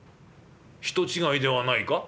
「人違いではないか？